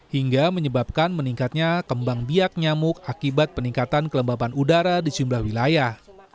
hingga menyebabkan meningkatnya kembang biak nyamuk akibat peningkatan kelembaban udara di sejumlah wilayah